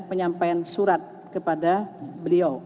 penyampaian surat kepada beliau